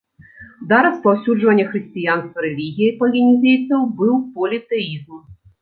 Да распаўсюджвання хрысціянства рэлігіяй палінезійцаў быў політэізм.